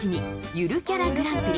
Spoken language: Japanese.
「ゆるキャラグランプリ」